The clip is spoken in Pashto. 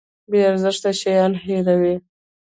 بې ارزښته شیان هیروي.